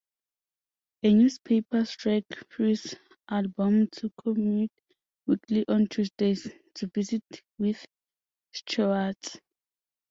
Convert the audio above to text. A newspaper strike frees Albom to commute weekly, on Tuesdays, to visit with Schwartz.